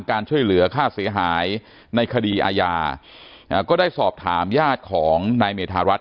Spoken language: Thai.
การช่วยเหลือค่าเสียหายในคดีอาญาก็ได้สอบถามญาติของนายเมธารัฐ